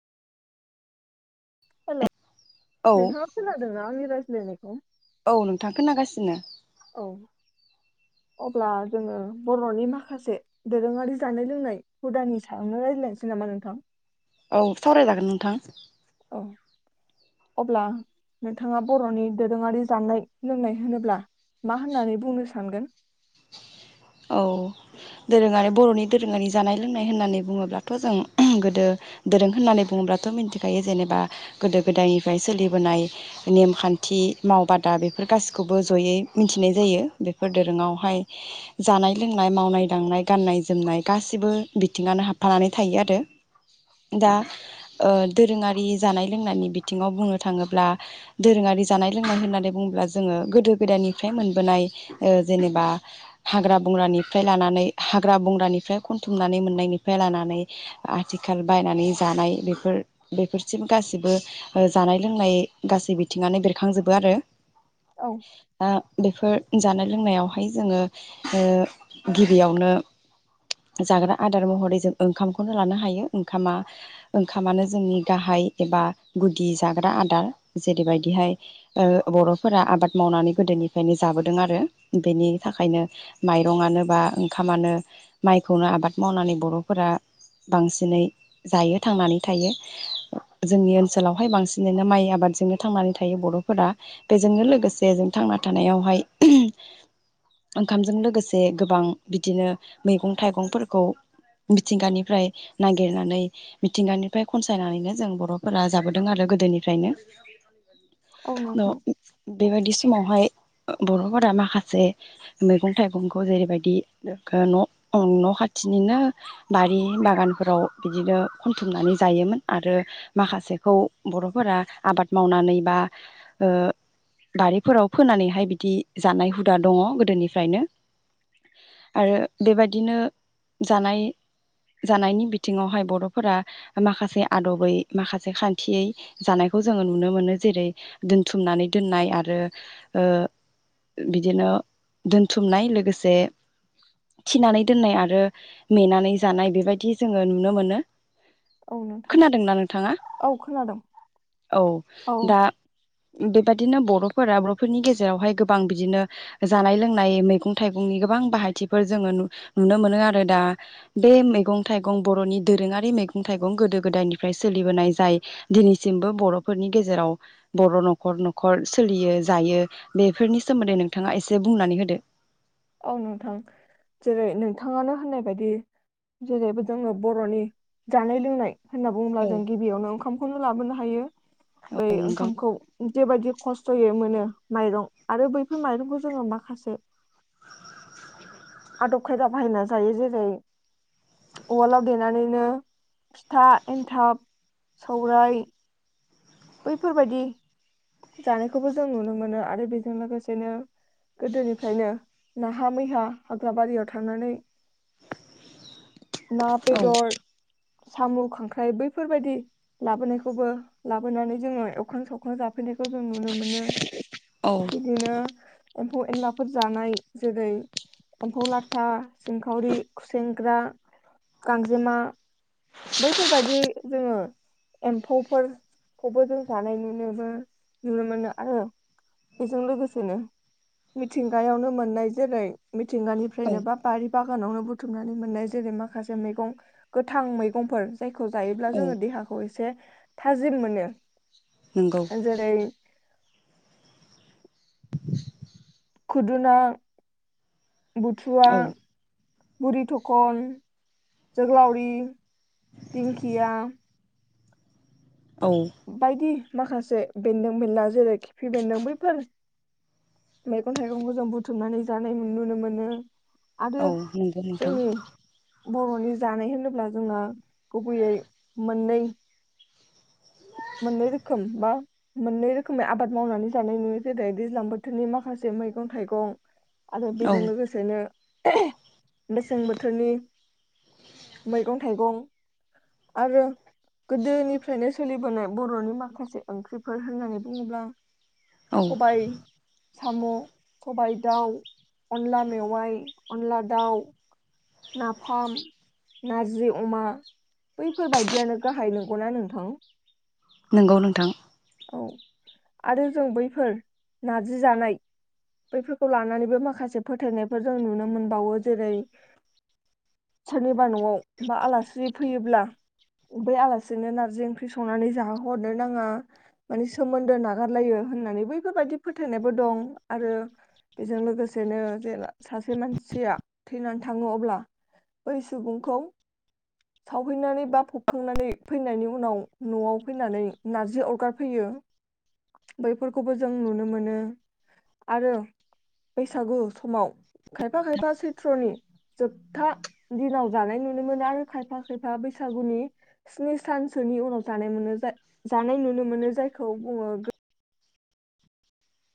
हेल' औ नोंथाङा खोनादों ना आंनि रायज लायनायखौ औ नोंथां खोनागासिनो। औ अब्ला जोङो बर'नि माखासे दोरोङारि जानाय लोंनाय हुदानि सायावनो रायज्लायनोसै नामा नोंथां? औ सावरायजागोन नोंथां। औ अब्ला नोंथाङा बर'नि दोरोङारि जानाय लोंनाय होनोब्ला मा होननानै बुंनो सानगोन? औ दोरोङारि बर'नि दोरोङारि जानाय लोंनाय होननानै बुङोब्लाथ' जों ओहुम गोदो दोरों होननानै बुङोब्लाथ' मिथिखायो जेनेबा गोदो गोदायनिफ्राय सोलिबोनाय नेमखान्थि मावबादा बेफोर गासिखौबो जयै मिथिनाय जायो बेफोर दोरोङावहाय जानाय लोंनाय मावनाय दांनाय गान्नाय जोमनाय गासिबो बिथिङानो हाबफानानै थायो आरो दा ओ दोरोङारि जानाय लोंनायनि बिथिङाव बुंनो थाङोब्ला दोरोङारि जानाय लोंनाय होननानै बुङोब्ला जोङो गोदो गोदायनिफ्राय मोनबोनाय ओ जेनेबा हाग्रा बंग्रानिफ्राय लानानै हाग्रा बंग्रानिफ्राय खनथुमनानै मोननायनिफ्राय लानानै आथिखाल बायनानै जानाय बेफोर बेफोरसिम गासैबो ओ जानाय लोंनाय गासै बिथिङानो बेरखांजोबो आरो। औ आ बेफोर जानाय लोंनायावहाय जोङो ओ गिबियावनो जाग्रा आदार महरै जों ओंखामखौनो लानो हायो ओंखामा ओंखामानो जोंनि गाहाय एबा गुदि जाग्रा आदार जेरैबायदिहाय ओ बर'फोरा आबाद मावनानै गोदोनिफ्रायनो जाबोदों आरो बेनि थाखायनो माइरंयानो बा ओंखामानो माइखौनो आबाद मावनानै बर'फोरा बांसिनै जायो थांनानै थायो जोंनि ओनसोलावहाय बांसिनैनो माइ आबादजोंनो थांनानै थायो बर'फोरा बेजोंनो लोगोसे जों थांना थानायावहाय ओंखामजों लोगोसे गोबां बिदिनो मैगं थाइगंफोरखौ मिथिंगानिफ्राय नागिरनानै मिथिंगानिफ्राय खनसायनानैनो जों बर'फोरा जाबोदों आरो गोदोनिफ्रायनो। औ नोंथां। बेबायदि समावहाय ओ बर'फोरा माखासे मैगं थाइगंखौ जेरैबायदि ओ न' न' खाथिनिनो बारि बागानफोराव बिदिनो खनथुमनानै जायोमोन आरो माखासेखौ बर'फोरा आबाद मावनानै बा ओ बारिफोराव फोनानैहाय बिदि जानाय हुदा दङ गोदोनिफ्रायनो आरो बेबायदिनो जानाय जानायनि बिथिङावहाय बर'फोरा माखासे आदबै माखासे खान्थियै जानायखौ जोङो नुनो मोनो जेरै दोनथुमनानै दोननाय आरो ओ बिदिनो दोनथुमनाय लोगोसे थिनानै दोननाय आरो मेनानै जानाय बेबायदि जोङो नुनो मोनो। औ नोंथां खोनादोंना नोंथाङा औ खोनादों औ दा बेबादिनो बर'फोरा बर'फोरनि गेजेरावहाय गोबां बिदिनो जानाय लोंनाय मैगं थाइगंनि गोबां बाहायथिफोर जोङो नु नुनो मोनो आरो दा बे मैगं थाइगं बर'नि दोरोङारि मैगं थाइगं गोदो गोदायनिफ्राय सोलिबोनाय जाय दिनैसिमबो बरफोरनि गेजेराव बर नख'र नख'र सोलियो जायो बेफोरनि सोमोन्दै नोंथा ङा एसे बुंनानै होदो औ नोंथां जेरै नोंथाङानो होननाय बायदि जेरैबो जोङो बर'नि जानाय लोंनाय होनना बुङोब्ला जों गिबियावनो ओंखखौनो लाबोनो हा यो। बै औ नंगौ ओंखामखौ जेबायदि खस्थयै मोनो माइरं आरो बैफोर माइरंखौ जोङो माखासे आदब खायदा बाहायना जायो। जेरै अवालाव देनानानै नो फिथा एन्थाब सौराय बैफोरबायदि जानायखौबो जों नुनो मोनो आरो बेजों लोगोसेनो गोदोनिफ्रायनो नाहा मैहा हाग्रा बारियाव थांनानै ना औ बेदर साम' खांख्राइ बैफोरबायदि लाबोनायखौबो लाबोनानै जोङो एवखां सावखां जा फैनायखौ जों नुनो मोनो। औ बिदिनो एम्फौ एनलाफोर जानाय जेरै एम्फौ लाथा सिंखावरि खुसेेंग्रा गांजेमा बैफोरबायदि जोङो एम्फौफोरखौबो जों जानाय नुनो मोनो। नुनो मोनो आरो बेजों लोगोसेनो मिथिंगायावनो मोननाय जेरै औ मिथिंगानिफ्रायनो बा बारि बा गानावनो बुथुमनानै मोननाय जेरै माखासे मैगं गोथां मैगंफोर जाय खौ जायोब्ला औ जोङो देहाखौ एसे थाजिम मोनो। नंगौ ओ जेरै खुदुना, बुथुवा, औ बुरि, थखन, जोगोलावरि, दिंखिया औ बायदि माखासे बेन्दों बेनला जेरै खिफि बेन्दों बैफोर मेगं थाइगंखौ जों बुथुमनानै जानाय नुनो मोनो। आरो औ नंगौ नोंथां जोंनि बर'नि जानाय होनोब्ला जोंना गुबैयै मोननै मोननै रोखोम बा मोननै रोखोमै आबाद मावनानै जानाय नुयो जेरै दैज्लां बोथोरनि माखासे मैगं थाइगं आरो औ बेजों लोगोसेनो मेसें बोथोरनि मैगं थाइगं आरो गोदोनिफ्रायनो सोलिबोनाय बर'नि माखासे ओंख्रिफोर होननानै बुङोब्ला औ सबाय साम' सबाय दाउ अनला मेवाइ अनला दाउ नाफाम, नारजि अमा बैफोरबायदियानो गाहाय नंगौना नोंथां? नोंगौ नोंथां। औ आरो जों बैफोर नारजि जानाय बैफोरखौ लानानैबो माखासे फोथायनायफोर जों नुनो मोनबावो जेरै सोरनिबा न'आव बा आलासि फैयोब्ला बै आलासिनो नार्जि ओंख्रि संनानै जाहोहरनो नाङा माने सोमोन्दो नागारलायो होननानै बैफोरबायदि फोथायनायबो दं आरो बेजों लोगोसेनो जेला सासे मानसिया थैनानै थाङो अब्ला बै सुबुंखौ सावहैनानै बा फबखांनानै फैनायनि उनाव न'आव फैनानै नारजि अरगार फैयो बैफोरखौबो जों नुनो मोनो आरो बैसागु समाव खायफा खायफा सैत्रनि जोबथा दिनाव जानाय नुनो मोनो आरो खायफा खायफा बैसागुनि स्नि सानसोनि उनाव जानाय नुनो जा जानाय नुनो मोनो जायखौ बुङो गो